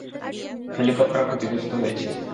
Helicopter ক্ষতিগ্রস্থ হয়েছে।